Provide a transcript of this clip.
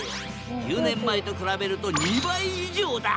１０年前と比べると２倍以上だ！